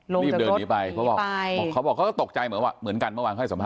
รีบเดินหนีไปเขาบอกเขาบอกเขาก็ตกใจเหมือนกันเมื่อวานให้สัมภา